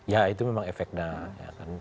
ya itu memang efeknya